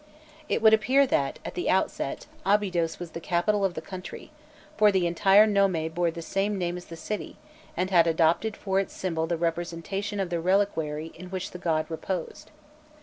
It would appear that, at the outset, Abydos was the capital of the country, for the entire nome bore the same name as the city, and had adopted for its symbol the representation of the reliquary in which the god reposed.